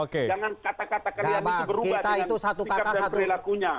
jangan kata kata kalian itu berubah dengan sikap dan perilakunya